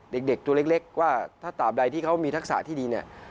เด็กตัวเล็กว่าถ้าตามใดที่เขามีทักษะที่ดีเนี่ย